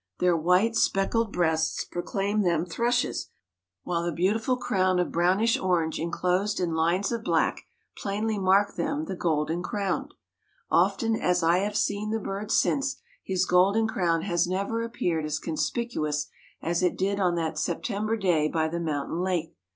Their white speckled breasts proclaimed them thrushes, while the beautiful crown of brownish orange inclosed in lines of black, plainly marked them the "golden crowned." Often as I have seen the bird since, his golden crown has never appeared as conspicuous as it did on that September day by the mountain lake.